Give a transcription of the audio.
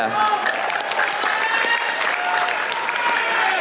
pak jokowi pakaian yang menjadi simbol banyak hal